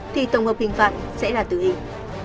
thì tổng hợp hình phạt sẽ là tử hình